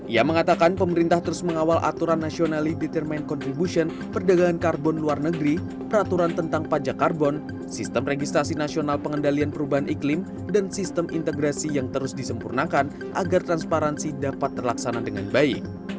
ia mengatakan pemerintah terus mengawal aturan nasionaly determan contribution perdagangan karbon luar negeri peraturan tentang pajak karbon sistem registrasi nasional pengendalian perubahan iklim dan sistem integrasi yang terus disempurnakan agar transparansi dapat terlaksana dengan baik